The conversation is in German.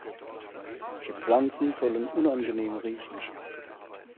Die Pflanzen sollen unangenehm riechen.